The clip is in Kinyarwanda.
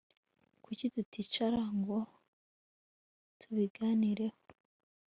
Kuki tuticara ngo tubiganireho